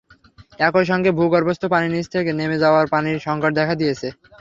একই সঙ্গে ভূগর্ভস্থ পানির স্তর নিচে নেমে যাওয়ায় পানির সংকট দেখা দিয়েছে।